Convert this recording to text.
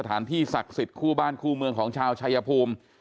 ที่ศักดิ์สิทธิ์คู่บ้านคู่เมืองของชาวชายภูมิ